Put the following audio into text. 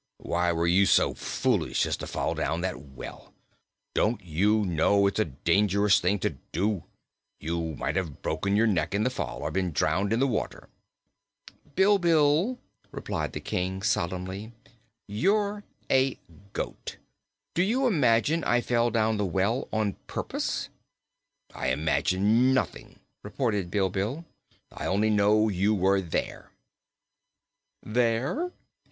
Why were you so foolish as to fall down that well? Don't you know it's a dangerous thing to do? You might have broken your neck in the fall, or been drowned in the water." "Bilbil," replied the King solemnly, "you're a goat. Do you imagine I fell down the well on purpose?" "I imagine nothing," retorted Bilbil. "I only know you were there." "There?